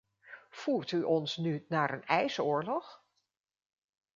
Voert u ons nu naar een ijsoorlog?